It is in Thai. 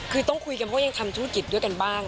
คือต้องคุยกันเพราะยังทำธุรกิจด้วยกันบ้าง